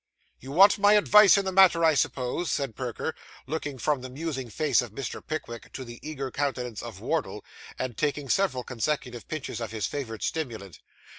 'You want my advice in this matter, I suppose?' said Perker, looking from the musing face of Mr. Pickwick to the eager countenance of Wardle, and taking several consecutive pinches of his favourite stimulant.